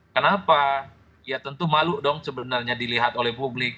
kenapa ya tentu malu dong sebenarnya dilihat oleh publik